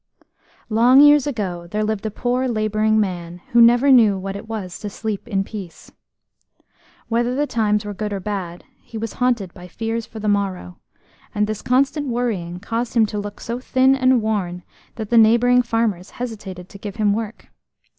ONG years ago there lived a poor labouring man who never knew what it was to sleep in peace. Whether the times were good or bad, he was haunted by fears for the morrow, and this constant worrying caused him to look so thin and worn that the neighbouring farmers hesitated to give him work.